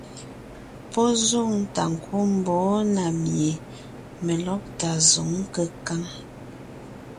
Pɔ́ zoŋ tà ńkú mbɔ̌ na mie melɔ́gtà zǒŋ kékáŋ.